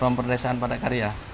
ruang perdesaan padak karya